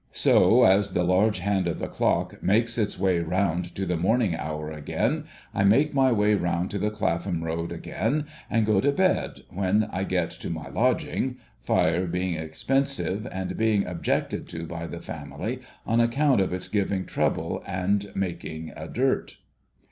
So, as the large hand of the clock makes its way round to the morning hour again, I make my way round to the Clapham Road again, and go to bed when I get to my lodging — fire being expen sive, and being objected to by the family on account of its giving trouble and making a dirt.